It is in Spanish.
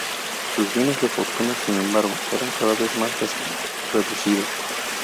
Sus bienes de fortuna, sin embargo, eran cada vez más reducidos.